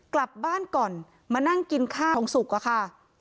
กลับบ้านก่อนมานั่งกินข้าวทองสุกอะค่ะ